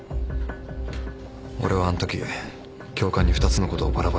俺はあんとき教官に２つのことをバラバラに伝えた。